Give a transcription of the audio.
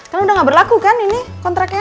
kan udah nggak berlaku kan ini kontraknya